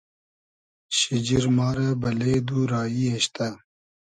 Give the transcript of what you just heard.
شیجیر ما رۂ بئلې دو رایی اېشتۂ